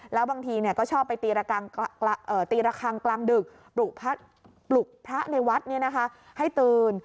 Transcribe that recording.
แล้วบางทีก็ชอบไปตีระคังกลางดึกปลุกพระในวัดให้ตื่น